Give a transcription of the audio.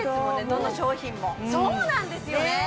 どの商品もそうなんですよねね